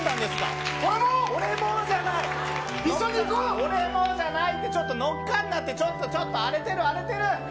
俺もじゃないって、ちょっと、乗っかんなって、ちょっとちょっと、荒れてる、荒れてる。